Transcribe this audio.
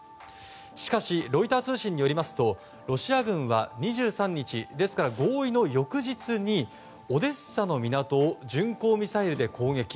しかしロイター通信によりますとロシア軍は２３日、合意の翌日にオデッサの港を巡航ミサイルで攻撃。